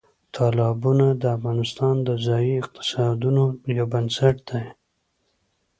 تالابونه د افغانستان د ځایي اقتصادونو یو بنسټ دی.